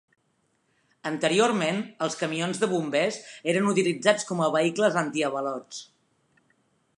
Anteriorment, els camions de bombers eren utilitzats com a vehicles antiavalots.